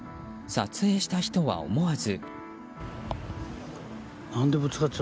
撮影した人は思わず。